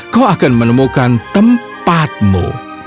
kau akan menemukan tempatmu